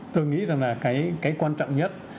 tôi nghĩ là cái quan trọng nhất